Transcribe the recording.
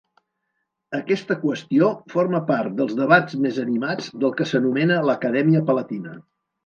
Aquesta qüestió forma part dels debats més animats del que s'anomena l'Acadèmia Palatina.